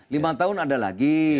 lima tahun ada lagi